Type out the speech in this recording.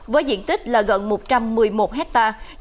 với diện tích là gần một trăm một mươi một hectare